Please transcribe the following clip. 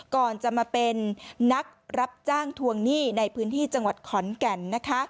ก่อนจะมาเป็นนักรับจ้างทวงหนี้ในพื้นที่จังหวัดขอนแก่นนะคะ